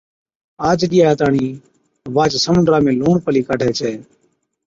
آج ڏِيها تاڻِين واهچ سمُنڊا ۾ لُوڻ پلِي ڪاڍَي ڇَي۔